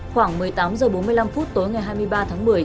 khoảng một mươi tám h bốn mươi năm tối ngày hai mươi ba tháng một mươi